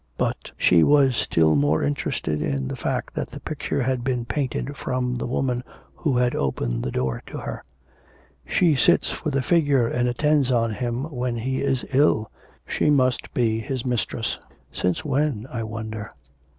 But she was still more interested in the fact that the picture had been painted from the woman who had opened the door to her. 'She sits for the figure and attends on him when he is ill, she must be his mistress. Since when I wonder?'